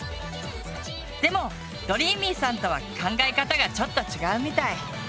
でもどりーみぃさんとは考え方がちょっと違うみたい。